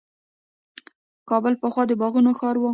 کابل پخوا د باغونو ښار و.